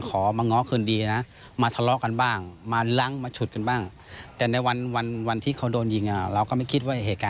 ฟังเสียงผู้เห็นเหตุการณ์เล่าค่ะ